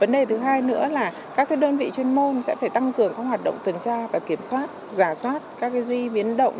vấn đề thứ hai nữa là các đơn vị chuyên môn sẽ phải tăng cường các hoạt động tuần tra và kiểm soát giả soát các duy viến động